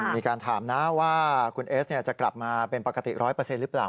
มีการถามนะว่าคุณเอสจะกลับมาเป็นปกติ๑๐๐หรือเปล่า